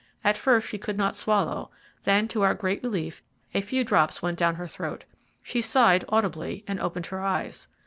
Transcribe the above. At first she could not swallow, then, to our great relief, a few drops went down her throat. She sighed audibly and opened her eyes.